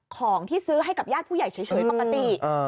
ของที่ซื้อให้กับญาติผู้ใหญ่เฉยปกติ